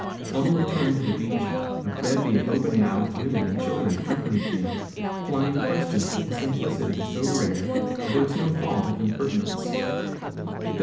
On the return to the beach a bevy of open mouthed women and children accompanied me, plying questions with a simplicity so rare that there was no thought of impertinence.